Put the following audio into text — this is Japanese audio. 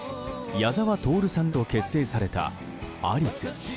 矢沢透さんと結成されたアリス。